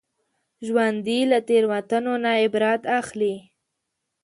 ژوندي له تېروتنو نه عبرت اخلي